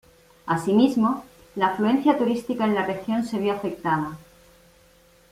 Así mismo, la afluencia turística en la región se vio afectada.